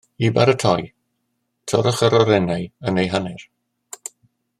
I baratoi, torrwch yr orenau yn eu hanner